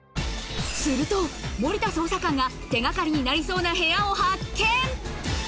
すると森田捜査官が手がかりになりそうな部屋を発見！